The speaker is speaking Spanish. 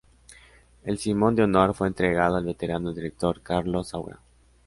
El Simón de honor fue entregado al veterano director Carlos Saura.